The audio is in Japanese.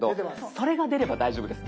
それが出れば大丈夫です。